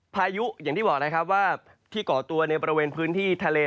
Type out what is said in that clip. พายุอย่างที่บอกว่าที่เกาะตัวในประเวณพื้นที่ทะเล